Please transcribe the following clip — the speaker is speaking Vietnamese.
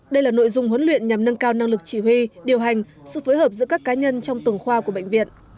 đây là nội dung huấn luyện nhằm nâng cao năng lực chỉ huy điều hành sự phối hợp giữa các cá nhân trong từng khoa của bệnh viện